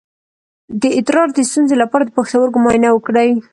د ادرار د ستونزې لپاره د پښتورګو معاینه وکړئ